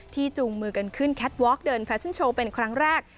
จูงมือกันขึ้นแคทวอล์เดินแฟชั่นโชว์เป็นครั้งแรก